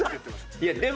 いやでも。